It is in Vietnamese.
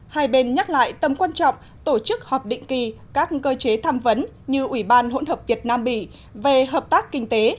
hai bên nhắc lại tâm quan trọng tổ chức họp định kỳ các cơ chế tham vấn như ủy ban hỗn hợp việt nam bỉ về hợp tác kinh tế